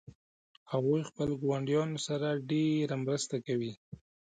هغوی خپل ګاونډیانو سره ډیره مرسته کوي